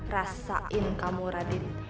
rasain kamu radit